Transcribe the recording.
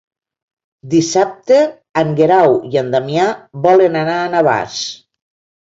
Dissabte en Guerau i en Damià volen anar a Navàs.